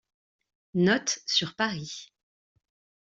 Notes sur Paris.